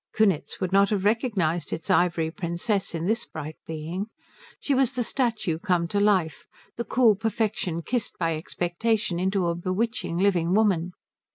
Kunitz would not have recognized its ivory Princess in this bright being. She was the statue come to life, the cool perfection kissed by expectation into a bewitching living woman.